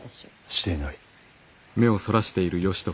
していない。